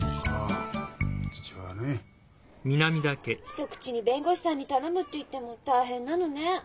一口に弁護士さんに頼むって言っても大変なのね。